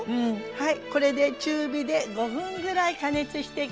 はい。